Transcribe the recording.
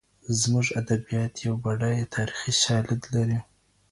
زموږ ادبیات یو بډایه تاریخي شالید لري.